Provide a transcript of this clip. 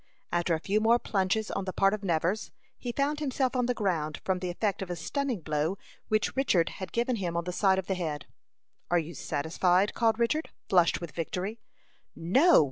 After a few more plunges on the part of Nevers, he found himself on the ground, from the effect of a stunning blow which Richard had given him on the side of the head. "Are you satisfied?" called Richard, flushed with victory. "No!"